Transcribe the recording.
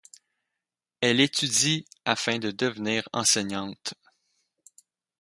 Elle étudie afin de devenir enseignante.